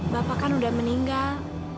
bapak kan udah meninggal